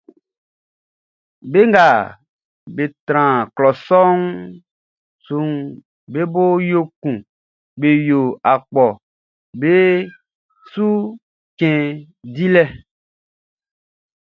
Be nga be tran klɔ sɔʼn suʼn, be bo yo kun be yo akpɔʼm be su cɛn dilɛ.